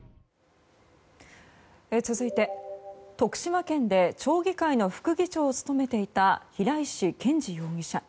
続いて、徳島県で町議会の副議長を務めていた平石賢治容疑者。